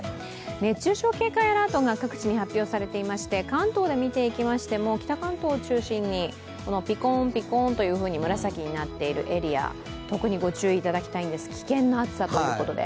熱中症警戒アラートが各地に発表されていまして関東で見ていきましても北関東を中心にぴこんぴこんと紫になっているエリア、特にご注意いただきたいんです、危険な暑さということで。